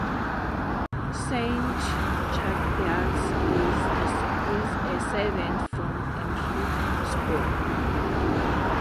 Saint Cuthbert's is a seven form entry school.